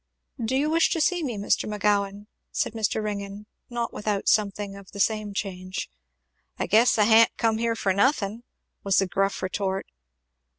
"Do you wish to see me, Mr. McGowan?" said Mr. Ringgan, not without something of the same change. "I guess I ha'n't come here for nothing," was the gruff retort.